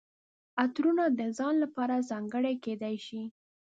عطرونه د ځان لپاره ځانګړي کیدای شي.